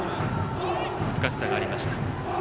難しさがありました。